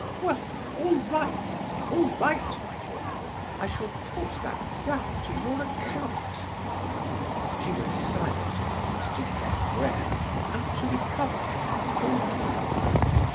"Well, all right! All right, my dear! I shall put that down to your account." She was silent a moment to get breath, and to recover her composure.